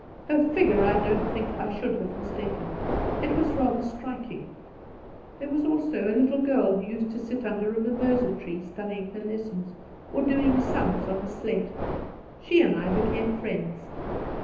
Her figure I don't think I should have mistaken ; it was rather striking. There was also a little girl who used to sit under a mimosa tree studying her lessons or doing sums on a slate. She and I became friends.